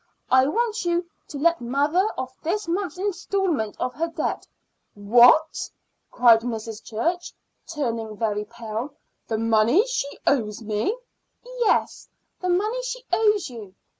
I want you to let mother off this month's installment of her debt." "What?" cried Mrs. Church, turning very pale. "The money that she owes me?" "Yes, the money she owes you.